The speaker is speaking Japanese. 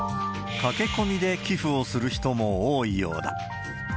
駆け込みで寄付をする人も多いようだ。